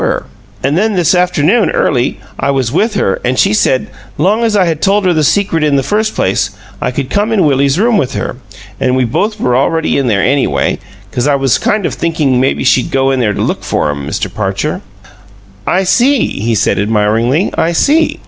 Well, an' then this afternoon, early, I was with her, an' she said, long as I had told her the secret in the first place, I could come in Willie's room with her, an' we both were already in there anyway, 'cause I was kind of thinkin' maybe she'd go in there to look for 'em, Mr. Parcher " "I see," he said, admiringly. "I see."